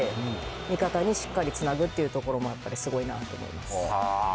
味方にしっかりつなぐというところもやっぱり、すごいなと思いま